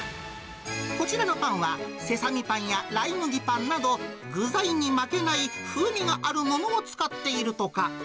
こちらのパンは、セサミパンやライ麦パンなど、具材に負けない風味があるものを使っているとか。